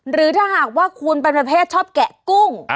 หรือถ้าหากว่าคุณเป็นประเภทชอบแกะกุ้ง